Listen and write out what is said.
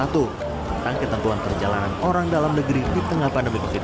tentang ketentuan perjalanan orang dalam negeri di tengah pandemi covid sembilan belas